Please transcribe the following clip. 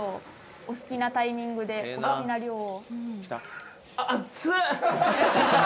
お好きなタイミングでお好きな量を。